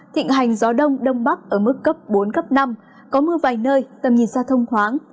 thịnh hành gió đông đông bắc ở mức cấp bốn cấp năm có mưa vài nơi tầm nhìn xa thông thoáng